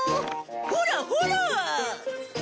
ほらほら！